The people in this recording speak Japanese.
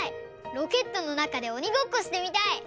ロケットのなかでおにごっこしてみたい！